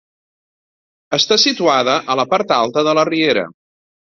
Està situada a la part alta de la Riera.